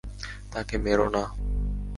তাকে মেরো না।